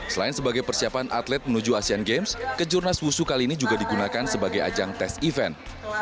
selain sebagai persiapan atlet menuju asean games kejurnas wusu kali ini juga digunakan sebagai ajang tes event